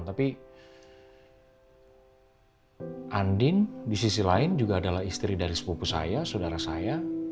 tapi andin di sisi lain juga adalah istri dari sepupu saya saudara saya